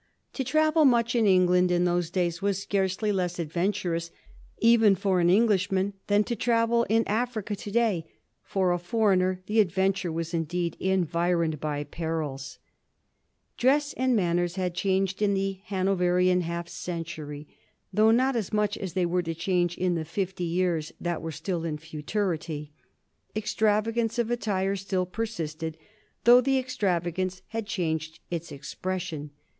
To travel much in England in those days was scarcely less adventurous even for an Englishman than to travel in Africa to day; for a foreigner the adventure was indeed environed by perils. [Sidenote: 1761 Fashions under George the Third] Dress and manners had changed in the Hanoverian half century, though not as much as they were to change in the fifty years that were still in futurity. Extravagance of attire still persisted, though the extravagance had changed its expression.